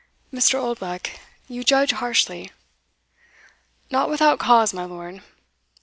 "Mr. Oldbuck, you judge harshly." "Not without cause, my lord.